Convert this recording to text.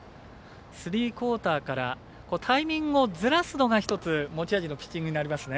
スリークオーターからタイミングをずらすのが一つ、持ち味のピッチングになりますね。